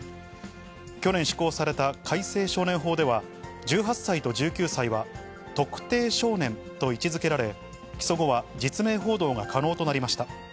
去年施行された改正少年法では、１８歳と１９歳は特定少年と位置づけられ、起訴後は実名報道が可能となりました。